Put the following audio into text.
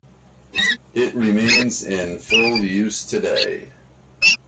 It remains in full use today.